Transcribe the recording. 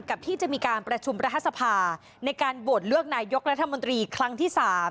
ที่จะมีการประชุมรัฐสภาในการโหวตเลือกนายกรัฐมนตรีครั้งที่๓